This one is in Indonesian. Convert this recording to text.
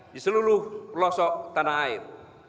di seluruh pelosok tanah air